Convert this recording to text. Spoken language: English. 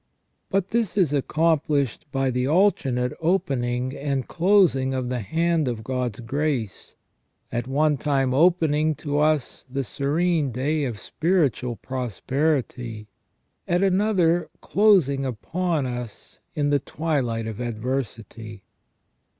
But this is accomplished by the alternate opening and closing of the hand of God's grace, at one time opening to us the serene day of spiritual prosperity, at another closing upon us in the twi light of adversity.